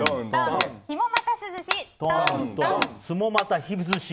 ひもまたすずし。